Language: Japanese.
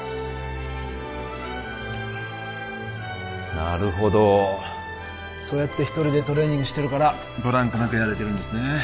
なるほどそうやって一人でトレーニングしてるからブランクなくやれてるんですね